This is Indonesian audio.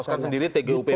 poskan sendiri tgupp itu